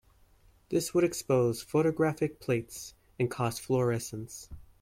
This would expose photographic plates and cause fluorescence.